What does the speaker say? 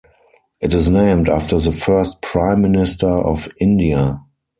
It is named after the first Prime Minister of India.